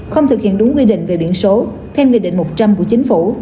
không thực hiện đúng quy định về biển số thêm quy định một trăm linh của chính phủ